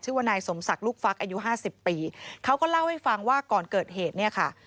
นายสมศักดิ์ลูกฟักอายุห้าสิบปีเขาก็เล่าให้ฟังว่าก่อนเกิดเหตุเนี่ยค่ะ